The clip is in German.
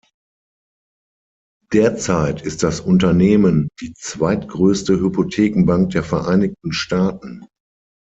Derzeit ist das Unternehmen die zweitgrößte Hypothekenbank der Vereinigten Staaten.